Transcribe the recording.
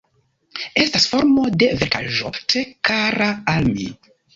Estas formo de verkaĵo tre kara al mi.